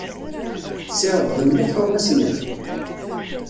Tessirided mliḥ tuɣmas-nnek?